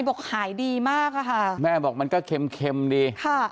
บอกหายดีมากอะค่ะแม่บอกมันก็เค็มดีค่ะ